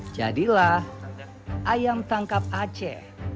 jadilah ayam tangkap aceh